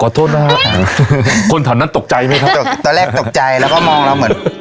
ขอโทษนะครับคนเธอนั้นตกใจไหมครับตอนแรกตกใจแล้วก็มองเราเหมือน